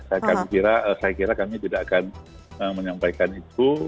saya kira kami tidak akan menyampaikan itu